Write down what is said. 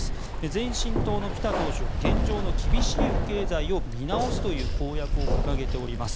前進党のピタ党首は現状の厳しい不敬罪を見直すという公約を掲げております。